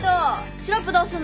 シロップどうすんの？